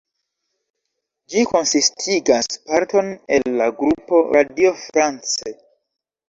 Ĝi konsistigas parton el la grupo Radio France.